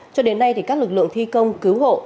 cho đến nay các lực lượng thi công cứu hộ